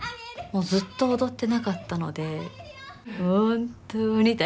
もうずっと踊ってなかったので本当に大変です。